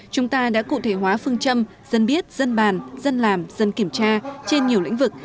chúng ta đã cụ thể hóa phương châm dân biết dân bàn dân làm dân kiểm tra trên nhiều lĩnh vực